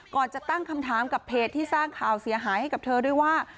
จะตั้งคำถามกับเพจที่สร้างข่าวเสียหายให้กับเธอด้วยว่า